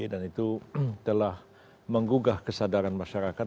dan itu telah menggugah kesadaran masyarakat